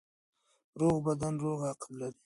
روغ بدن روغ عقل لري.